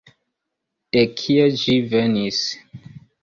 De kie ĝi venis?